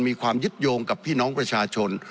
มีความยึดโยงกับพี่น้องประชาชน